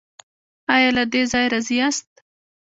ایا له دې ځای راضي یاست؟